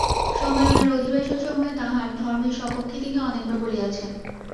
সম্মেলনের অধিবেশনসমূহে তাঁহার ধর্মের সপক্ষে তিনি অনেকবার বলিয়াছেন।